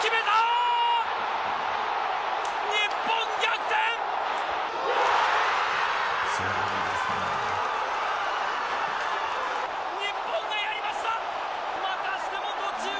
浅野がやりました。